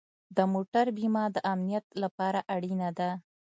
د موټر بیمه د امنیت لپاره اړینه ده.